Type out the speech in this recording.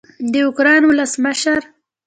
د اوکراین ولسمشر